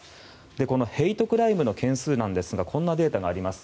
このヘイトクライムの件数こんなデータがあります。